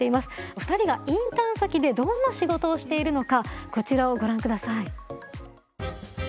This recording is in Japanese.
お二人がインターン先でどんな仕事をしているのかこちらをご覧ください。